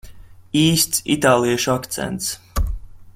Īsts itāliešu akcents.